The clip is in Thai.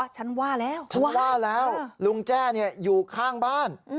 ฉันว่าแล้วลุงแจ้อยู่ข้างบ้าน